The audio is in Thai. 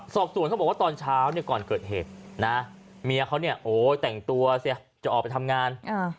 สอบส่วนเขาบอกว่าตอนเช้าก่อนเกิดเหตุเมียเขาแต่งตัวจะออกไปทำงาน